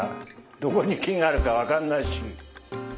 どこに菌があるか分かんないし。